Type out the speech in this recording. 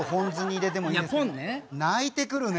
鳴いてくるね。